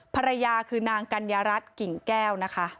ภรรยาคือนางกัญญารัฐกิ่งแก้วนะคะ